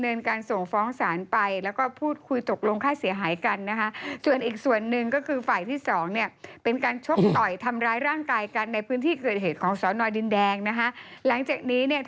แล้วนางก็ตั้งท่ายีงมอเตอร์ไซต์อย่างเงี้ย